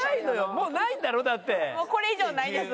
もうこれ以上ないです。